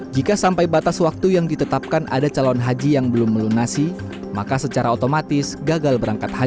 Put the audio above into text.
jika sampai batas waktu yang ditetapkan ada calon haji yang belum melunasi maka secara otomatis gagal berangkat haji